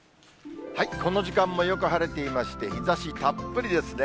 この時間もよく晴れていまして、日ざしたっぷりですね。